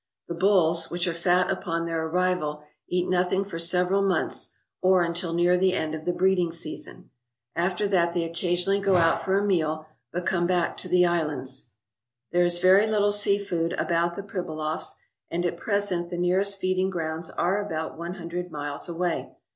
The bulls, which are fat upon their arrival, eat nothing for several months, or until near the end of the breeding season. After that they occasionally go out for a meal but come back to the islands. There is very little sea food about the Pribilofs, and at present the nearest feeding grounds are about one hundred miles away.